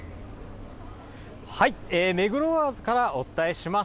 目黒川からお伝えします。